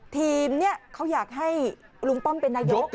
ทีมนี้เขาอยากให้ลุงป้อมเป็นนายก